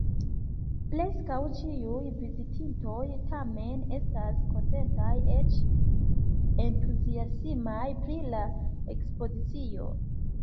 Preskaŭ ĉiuj vizitintoj, tamen, estas kontentaj, eĉ entuziasmaj pri la ekspozicio.